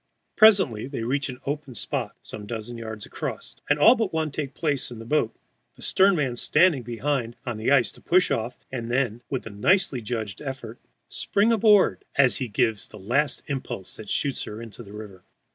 Presently they reach an open spot some dozen yards across, and all but one take places in the boat, the stern man standing behind on the ice to push off, and then, with nicely judged effort, spring aboard as he gives the last impulse that shoots her into the river.